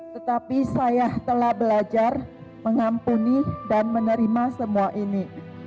tetapi saya telah belajar mengampuni dan menerima semua ini